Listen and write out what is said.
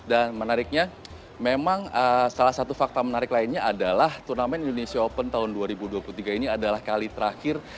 dan menariknya memang salah satu fakta menarik lainnya adalah turnamen indonesia open tahun dua ribu dua puluh tiga ini adalah kali terakhir